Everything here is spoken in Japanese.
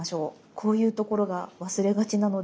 こういうところが忘れがちなので。